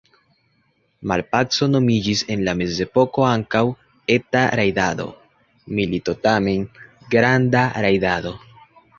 Malpaco nomiĝis en la mezepoko ankaŭ „eta rajdado“, milito tamen „granda rajdado“.